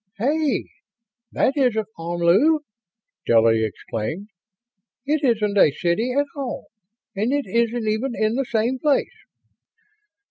"Hey! That isn't Omlu!" Stella exclaimed. "It isn't a city at all and it isn't even in the same place!"